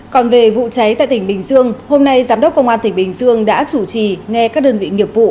còn về vụ cháy tại tỉnh bình dương hôm nay giám đốc công an tỉnh bình dương đã chủ trì nghe các đơn vị nghiệp vụ